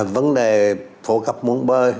vấn đề phổ cấp muốn bơi